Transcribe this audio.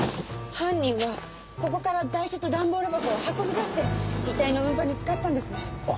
犯人はここから台車と段ボール箱を運び出して遺体の運搬に使ったんですね。